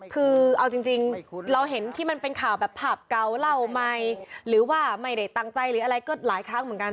คือเอาจริงเราเห็นที่มันเป็นข่าวแบบภาพเก่าเล่าใหม่หรือว่าไม่ได้ตั้งใจหรืออะไรก็หลายครั้งเหมือนกัน